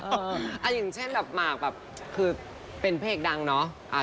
อย่างเช่นแบบหมากแบบคือเป็นเพลงดังเนาะ